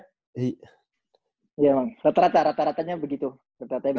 tapi emang orang timur panjang panjang ya